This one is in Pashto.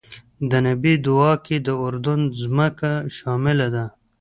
د نبی دعا کې د اردن ځمکه شامله ده.